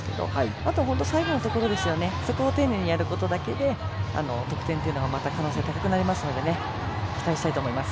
あとは本当に最後のところを丁寧にやるだけで得点はまた可能性高くなりますので期待したいと思います。